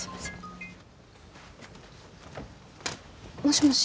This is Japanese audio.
もしもし？